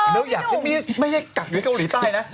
ไม่อยากช่วยไม่อยากให้กักอยู่เกาหลีใต้นะ